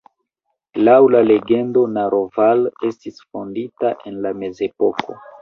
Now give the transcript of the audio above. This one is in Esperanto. Laŭ la legendo Naroval estis fondita en la mezepoko.